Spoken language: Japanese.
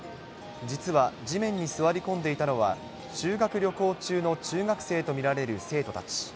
実は、地面に座り込んでいたのは、修学旅行中の中学生と見られる生徒たち。